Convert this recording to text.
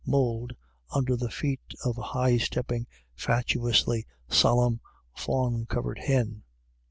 99 mould under the feet of a high stepping fatuously solemn fawn coloured hen.